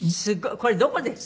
これどこです？